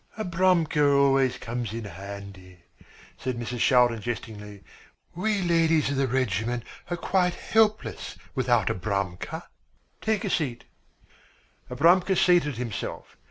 "Abramka always comes in handy," said Mrs. Shaldin jestingly. "We ladies of the regiment are quite helpless without Abramka. Take a seat." Abramka seated himself.